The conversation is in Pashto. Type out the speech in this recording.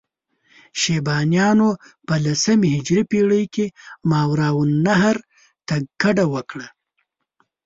شیبانیانو په لسمې هجري پېړۍ کې ماورالنهر ته کډه وکړه.